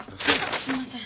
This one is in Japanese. すいません。